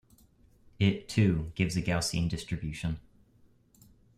It, too, gives a Gaussian distribution.